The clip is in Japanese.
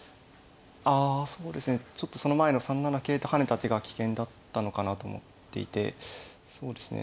あそうですねちょっとその前の３七桂と跳ねた手が危険だったのかなと思っていてそうですね